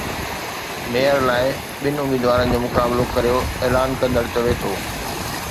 mayor لاءِ ٻن اميدوارن جو مقابلو ڪريو اعلان ڪندڙ چوي ٿو